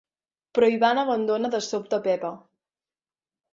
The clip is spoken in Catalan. Però Ivan abandona de sobte Pepa.